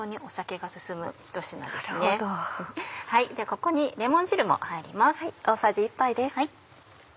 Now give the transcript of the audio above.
ここにレモン汁も入ります。